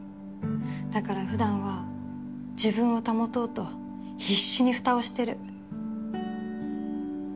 だから普段は自分を保とうと必死に蓋をしてる。